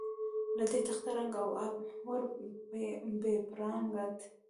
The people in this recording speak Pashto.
له دې تخته رنګ او آب ور بپراګند.